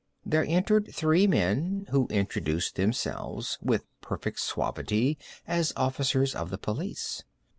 There entered three men, who introduced themselves, with perfect suavity, as officers of the police.